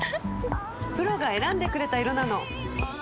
プロが選んでくれた色なの！